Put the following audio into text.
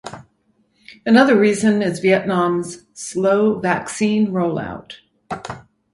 Another reason is Vietnam’s slow vaccine rollout.